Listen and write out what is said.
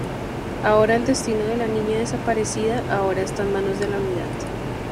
Ahora el destino de la niña desaparecida ahora está en manos de la unidad.